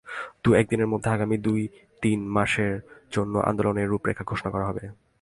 দু-এক দিনের মধ্যে আগামী দু-তিন মাসের জন্য আন্দোলনের রূপরেখা ঘোষণা করা হবে।